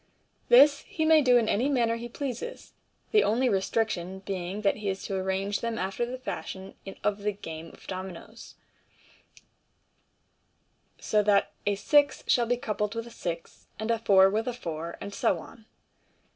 This he may do in any manner he pleases, the only restriction being that he is to arrange them after the fashion of the game of dominoes — viz., so that a six shall be coupled with a six, and a four with a four, and so on.